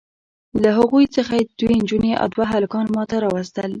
له هغوی څخه یې دوې نجوني او دوه هلکان ماته راواستول.